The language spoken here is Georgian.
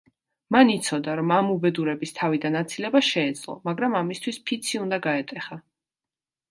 მან იცოდა, რომ ამ უბედურების თავიდან აცილება შეეძლო, მაგრამ ამისთვის ფიცი უნდა გაეტეხა.